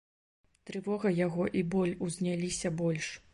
Трывога яго і боль узняліся больш.